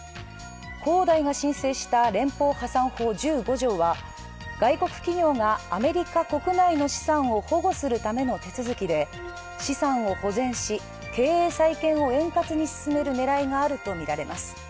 恒大が申請した連邦破産法１５条は外国企業が、アメリカ国内の資産を保護するための手続きで、資産を保全し、経営再建を円滑に進める狙いがあるとみられます。